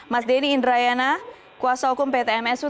mas denny indrayana kuasa hukum pt msu